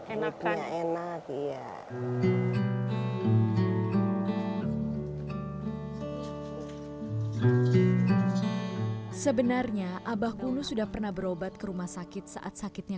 enak enak ya sebenarnya abah kuno sudah pernah berobat ke rumah sakit saat sakitnya